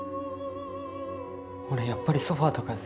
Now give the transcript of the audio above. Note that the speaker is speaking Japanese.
俺やっぱりソファとかで。